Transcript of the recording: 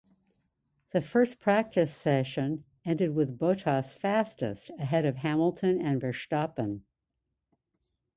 The first practice session ended with Bottas fastest ahead of Hamilton and Verstappen.